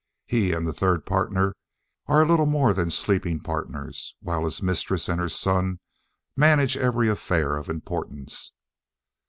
He and the third partner are little more than sleeping partners, while his mistress and her son manage every affair of importance.